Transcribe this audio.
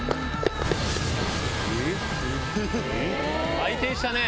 回転したねぇ！